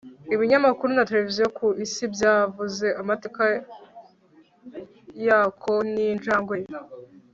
Ibinyamakuru na tereviziyo ku isi byavuze amateka ya Koko ninjangwe ye